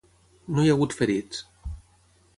No hi ha hagut ferits.